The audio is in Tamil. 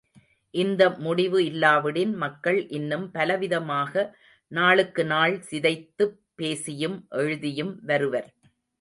இந்த முடிவு இல்லாவிடின், மக்கள் இன்னும் பலவிதமாக நாளுக்குநாள் சிதைத்துப் பேசியும் எழுதியும் வருவர்.